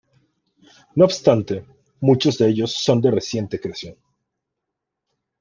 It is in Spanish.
No obstante, muchos de ellos son de reciente creación.